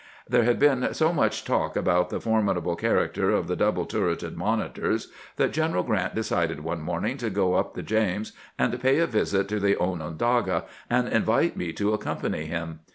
There had been so much talk about the formidable character of the double turreted monitors that General Grant decided one morning to go up the James and pay a visit to the Onondaga, and invited me to accompany him.